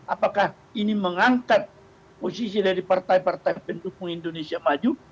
apakah ini mengangkat posisi dari partai partai pendukung indonesia maju